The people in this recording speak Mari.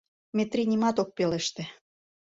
Метрий нимат ок пелеште.